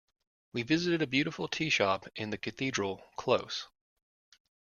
We visited a beautiful teashop in the Cathedral close.